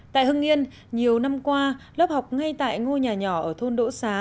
tại hưng yên nhiều năm qua lớp học ngay tại ngôi nhà nhỏ ở thôn đỗ xá